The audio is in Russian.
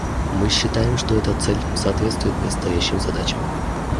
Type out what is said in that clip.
Мы считаем, что эта цель соответствует предстоящим задачам.